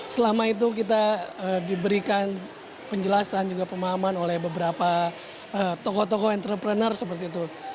selama itu kita diberikan penjelasan juga pemahaman oleh beberapa tokoh tokoh entrepreneur seperti itu